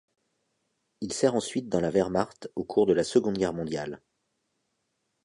Il sert ensuite dans la Wehrmacht au cours de la Seconde Guerre mondiale.